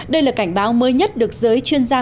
đây là cảnh báo mới nhất được giới chuyên gia